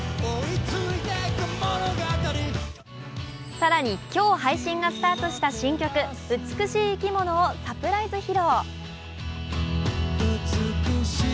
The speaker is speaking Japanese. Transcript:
更に、今日から配信がスタートした新曲「美しい生き物」をサプライズ披露。